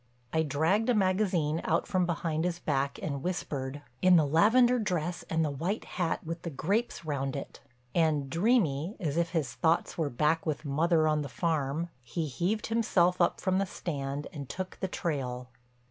I dragged a magazine out from behind his back and whispered, "In the lavender dress and the white hat with the grapes round it." And dreamy, as if his thoughts were back with mother on the farm, he heaved himself up from the stand and took the trail.